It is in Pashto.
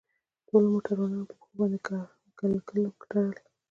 ټولو موټروانانو په پښو باندې ګلګل تړل.